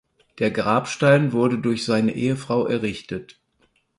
Der Grabstein wurde durch seine Ehefrau errichtet.